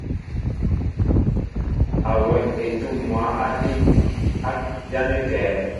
Awɛm etǔm mwǎ á hîn, ján é kɛ̌?